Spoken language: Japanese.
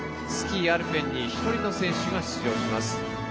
スキー・アルペンに１人の選手が出場します。